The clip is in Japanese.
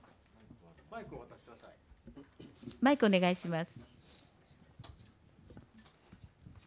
マイクをお願いします。